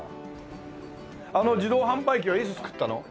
あの自動販売機はいつ作ったの？